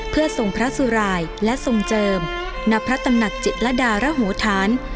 เพื่อทรงพระสุรายและทรงเจิมณพระตำหนักจิตรดารโหธาน